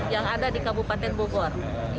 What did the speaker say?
yang ada di kabupaten bogor